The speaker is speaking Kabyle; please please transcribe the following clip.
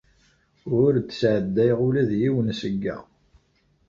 Ur d-sɛeddayeɣ ula d yiwen seg-a.